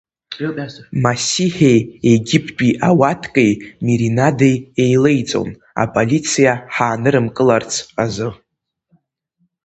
Масиҳи Егьыптәи ауаҭкеи Миринадеи еилеиҵон, аполициа ҳаанырымкыларц азы.